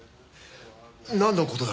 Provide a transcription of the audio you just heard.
なんの事だ？